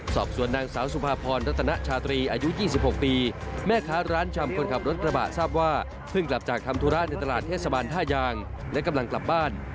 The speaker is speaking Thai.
สอบสวนนางสาวสุภาพรรัตนชาตรีอายุ๒๖ปีแม่ค้าร้านชำคนขับรถกระบะทราบว่าเพิ่งกลับจากทำธุระในตลาดเทศบาลท่ายางและกำลังกลับบ้าน